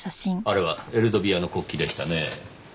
あれはエルドビアの国旗でしたねぇ。